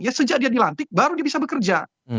ya sejak dia dilantik baru dia bisa bekerja